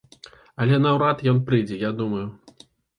Але наўрад ён прыйдзе, я думаю.